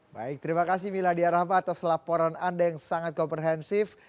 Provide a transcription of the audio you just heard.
baik terima kasih miladia rahma atas laporan anda yang sangat komprehensif